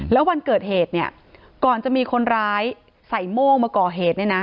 แล้ววันเกิดเหตุเนี่ยก่อนจะมีคนร้ายใส่โม่งมาก่อเหตุเนี่ยนะ